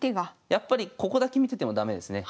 やっぱりここだけ見てても駄目ですね。